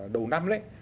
đầu năm ấy